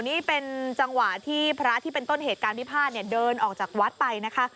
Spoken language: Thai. นี่เป็นจังหวะที่พระที่เป็นต้นเหตุการณ์พิพาทเดินออกจากวัดไปนะคะ